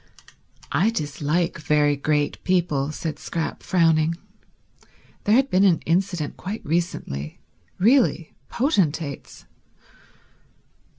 "I dislike very great people," said Scrap, frowning. There had been an incident quite recently—really potentates.